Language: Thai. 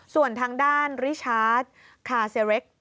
ส่วนทางด้านริชาร์จคาเซเรค